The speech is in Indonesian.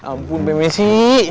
ampun bu messi